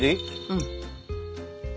うん。